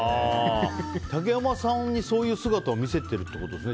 竹山さんに、そういう姿を見せてるってことですね。